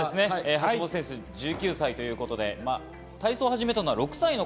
橋本選手、１９歳ということで体操を始めたのは６歳の頃。